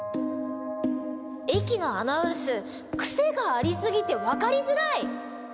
えきのアナウンスクセがありすぎてわかりづらい！